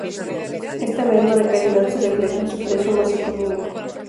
Esta merma de calidad se refleja en su precio más económico.